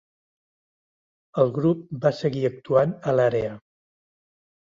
El grup va seguir actuant a l'àrea.